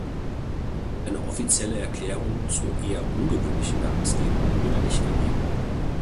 Eine offizielle Erklärung zur eher ungewöhnlichen Namensgebung wurde nicht gegeben.